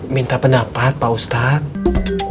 minta pendapat pak ustadz